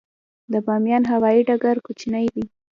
د بامیان هوايي ډګر کوچنی دی